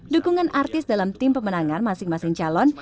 dukungan artis dalam tim pemenangan masing masing calon